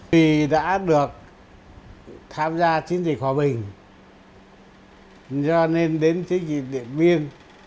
vì đã được tham gia chiến dịch hòa bình do nên đến chiến dịch điện biên